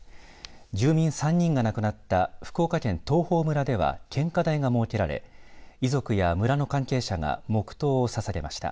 住民３人が亡くなった福岡県東峰村では献花台が設けられ遺族や村の関係者が黙とうをささげました。